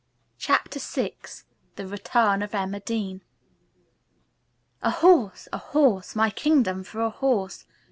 CHAPTER VII THE RETURN OF EMMA DEAN "'A horse, a horse, my kingdom for a horse!'"